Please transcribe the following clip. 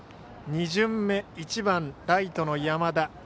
２巡目、１番ライトの山田。